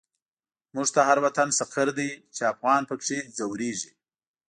موږ ته هر وطن سقر دی، چی افغان په کی ځوريږی